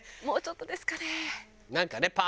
もうちょっとですかね。